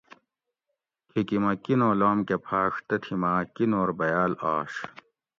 کھِیکی مٞہ کِینو لام کٞہ پھاٞݭ تتھی ما کِینور بھیاٞل آش